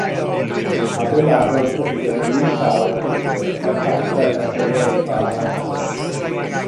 Adeiladodd fwthyn un llawr hygyrch fel cartref ar gyfer ei fab anabl.